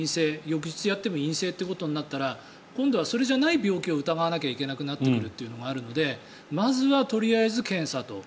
翌日やっても陰性ということになったら今度はそれじゃない病気を疑わないといけなくなるのでまずはとりあえず検査と。